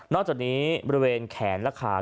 นอกจากนี้บริเวณแขนแล้วค่ะ